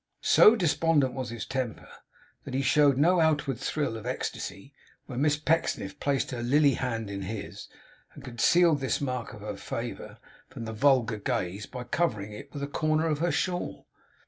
So despondent was his temper, that he showed no outward thrill of ecstasy when Miss Pecksniff placed her lily hand in his, and concealed this mark of her favour from the vulgar gaze by covering it with a corner of her shawl.